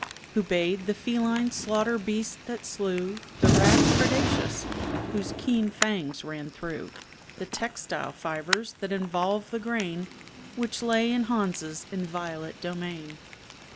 Who bayed the feline slaughter beast that slew The rat predacious, whose keen fangs ran through The textile fibers that involved the grain Which lay in Hans's inviolate domain.